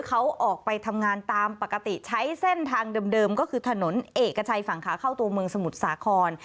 เขาออกไปทำงานตามปกติใช้เส้นทางเดิมก็คือถนนเอกชัยฝั่งขาเข้าตัวเมืองสมุทรสาคร